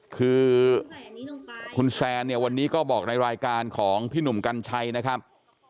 คือคุณแซนเนี่ยวันนี้ก็บอกในรายการของพี่หนุ่มกัญชัยนะครับ